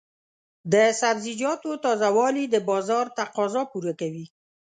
د سبزیجاتو تازه والي د بازار تقاضا پوره کوي.